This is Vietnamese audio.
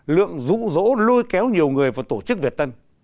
lượng rũ rỗ lôi kéo nhiều người vào tổ chức việt tân